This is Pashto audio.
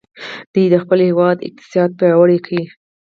دوی د خپل هیواد اقتصاد پیاوړی کړ.